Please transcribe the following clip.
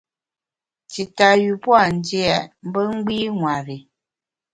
Tita yü pua’ ndia mbe gbî ṅweri.